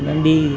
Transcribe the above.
mẹ em đi